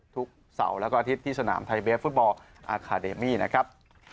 เสาร์แล้วก็อาทิตย์ที่สนามไทยเบฟฟุตบอลอาคาเดมี่นะครับ